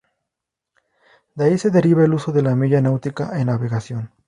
De ahí se deriva el uso de la milla náutica en navegación.